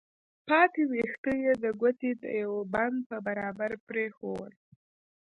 پاتې ويښته يې د ګوتې د يوه بند په برابر پرېښوول.